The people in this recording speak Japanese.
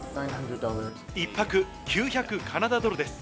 １泊９００カナダドルです。